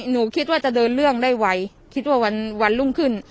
หนูคิดว่าจะเดินเรื่องได้ไวคิดว่าวันรุ่งขึ้น